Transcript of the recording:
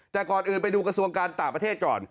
แต่ก่อนอื่นไปดูกระทรวงการต่างประเทศก่อน